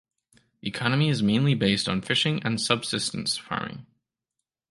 The economy is mainly based on fishing and subsistence farming.